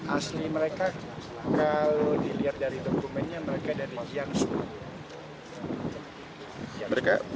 asli mereka kalau dilihat dari dokumennya mereka dari jiangsu